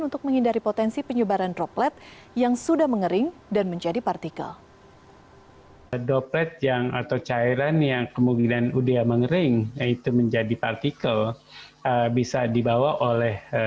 untuk menghindari potensi penyebaran droplet yang sudah mengering dan menjadi partikel